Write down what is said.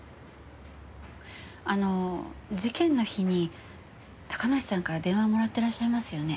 あの事件の日に高梨さんから電話もらってらっしゃいますよね？